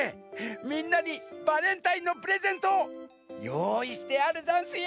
みんなにバレンタインのプレゼントよういしてあるざんすよ。